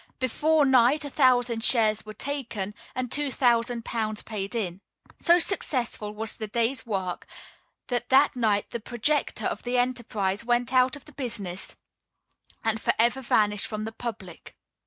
Before night a thousand shares were taken, and two thousand pounds paid in. So successful was the day's work, that that night the projector of the enterprise went out of the business, and forever vanished from the public.